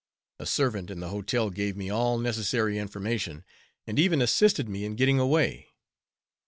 A servant in the hotel gave me all necessary information and even assisted me in getting away.